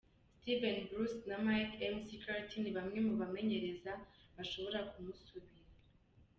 Steve Bruce na Mick McCarthy ni bamwe mu bamenyereza bashobora kumusubirira.